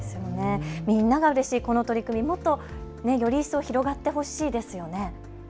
みんながうれしいこの取り組み、もっとより一層広がってほしいですよね。